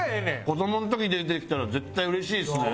子どもの時出てきたら絶対うれしいですね。